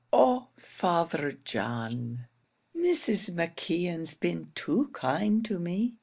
"Oh, Father John, Mrs. McKeon's been too kind to me.